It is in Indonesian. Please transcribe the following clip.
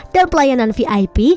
dan pelayanan vip